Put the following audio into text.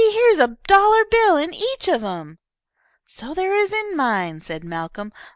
Here's a dollar bill in each of 'em." "So there is in mine," said Malcolm.